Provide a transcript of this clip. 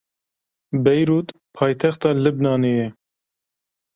Beyrûd paytexta Libnanê ye.